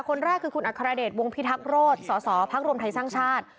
คนแรกคือคุณอัครเดชวงพิทักษโรธสสพักรวมไทยสร้างชาติ